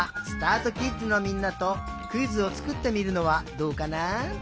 あとキッズのみんなとクイズをつくってみるのはどうかな？